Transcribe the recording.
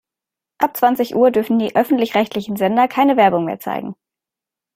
Ab zwanzig Uhr dürfen die öffentlich-rechtlichen Sender keine Werbung mehr zeigen.